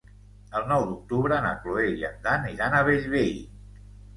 El nou d'octubre na Cloè i en Dan iran a Bellvei.